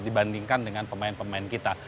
dibandingkan dengan pemain pemain kita